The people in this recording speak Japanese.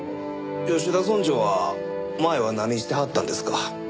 吉田村長は前は何してはったんですか？